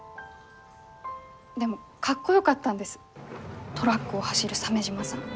でもかっこよかったんですトラックを走る鮫島さん。